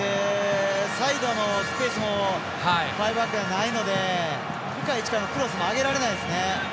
サイドのスペースもファイブバックでないので深い位置からのクロスも上げられないですね。